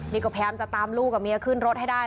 นี่ก็พยายามจะตามลูกกับเมียขึ้นรถให้ได้